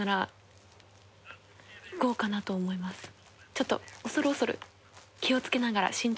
ちょっと恐る恐る。